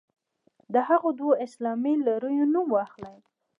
د هغو دوو اسلامي لړیو نوم واخلئ.